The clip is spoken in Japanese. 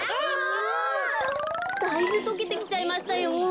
だいぶとけてきちゃいましたよ。